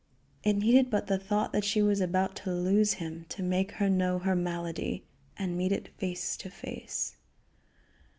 It needed but the thought that she was about to lose him to make her know her malady, and meet it face to face.